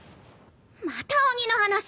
また鬼の話。